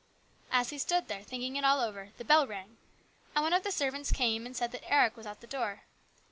As he stood there thinking it all over, the bell rang, and one of the servants came and said that Eric was at the door.